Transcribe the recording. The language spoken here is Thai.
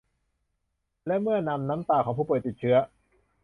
และเมื่อนำน้ำตาของผู้ป่วยติดเชื้อ